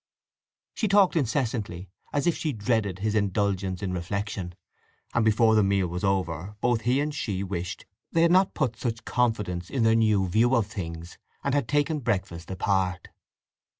She talked incessantly, as if she dreaded his indulgence in reflection, and before the meal was over both he and she wished they had not put such confidence in their new view of things, and had taken breakfast apart.